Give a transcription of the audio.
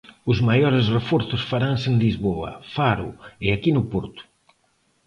Os maiores reforzos faranse en Lisboa, Faro e aquí no Porto.